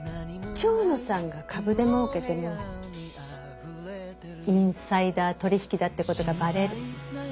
蝶野さんが株で儲けてもインサイダー取引だって事がバレる。